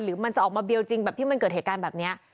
มันจะออกมาเบียวจริงแบบที่มันเกิดเหตุการณ์แบบนี้